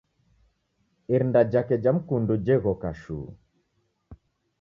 Irinda Jake cha mkundu je ghoka shuu.